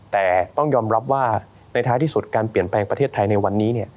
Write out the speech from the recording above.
แต่ต้องยอมรับว่าในท้ายที่สุดการเปลี่ยนแปลงประเทศไทยในวันนี้